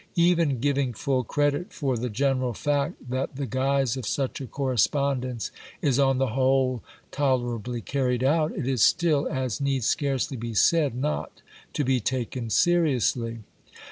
Even giving full credit for the general fact that the guise of such a correspondence is on the whole tolerably carried out, it is still, as needs scarcely be said, not to be taken seriously.